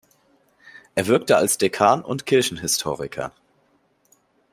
Er wirkte als Dekan und Kirchenhistoriker.